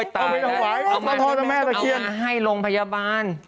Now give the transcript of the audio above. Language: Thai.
ท้องถ่วงต้องมาให้รองพยาบาล